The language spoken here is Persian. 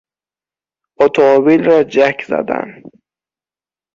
اتومبیل را جک زدن